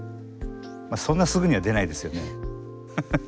そんなすぐには出ないですよね。